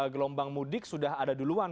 gelombang mudik sudah ada duluan